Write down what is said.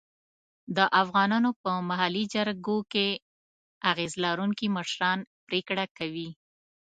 د افغانانو په محلي جرګو کې اغېز لرونکي مشران پرېکړه کوي.